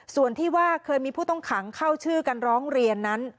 ส่วนที่ว่าเคยมีผู้ต้องขังเข้าชื่อกันร้องเรียนนั้น